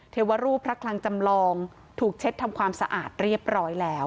เทวรูปพระคลังจำลองถูกเช็ดทำความสะอาดเรียบร้อยแล้ว